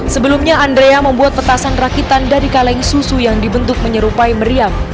sebelumnya andrea membuat petasan rakitan dari kaleng susu yang dibentuk menyerupai meriam